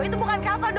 itu bukan kava do